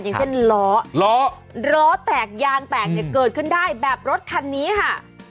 อย่างเช่นล้อล้อแตกยางแตกเนี่ยเกิดขึ้นได้แบบรถคันนี้ค่ะ